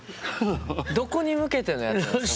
どこに向けてのやつなんすか？